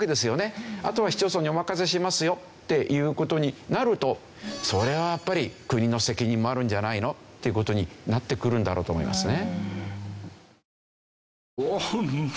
あとは市町村にお任せしますよっていう事になるとそれはやっぱり国の責任もあるんじゃないの？っていう事になってくるんだろうと思いますね。